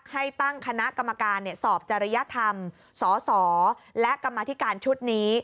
ให้ตั้งคณะกรรมการสอบจริยธรรมสสและกรรมธิการชุดนี้